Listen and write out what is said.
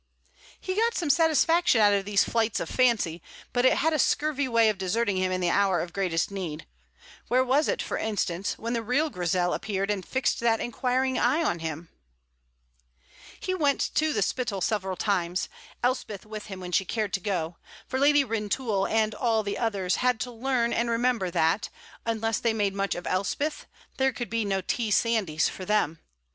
He got some satisfaction out of these flights of fancy, but it had a scurvy way of deserting him in the hour of greatest need; where was it, for instance, when the real Grizel appeared and fixed that inquiring eye on him? He went to the Spittal several times, Elspeth with him when she cared to go; for Lady Rintoul and all the others had to learn and remember that, unless they made much of Elspeth, there could be no T. Sandys for them.